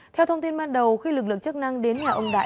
theo thông tin ban đầu khi lực lượng chức năng đến nhà ông đại